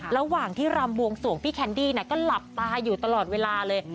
ระหว่างที่รำบวงสวงพี่แคนดี้ก็หลับตาอยู่ตลอดเวลาเลย